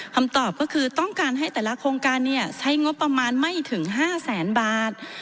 คำตอบก็คือต้องการให้แต่ละโครงการใช้งบประมาณไม่ถึง๕แสนบาท